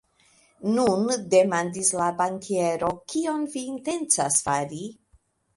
Nun, demandis la bankiero, kion vi intencas fari?